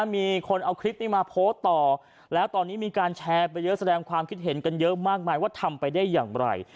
มีคนเอาคลิปนี้มาโพสต์ต่อแล้วตอนนี้มีการแชร์ไปเยอะแสดงความคิดเห็นกันเยอะมากมายว่าทำไปได้อย่างไร